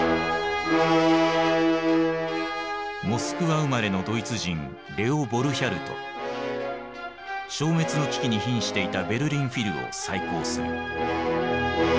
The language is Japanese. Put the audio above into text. モスクワ生まれのドイツ人消滅の危機にひんしていたベルリン・フィルを再興する。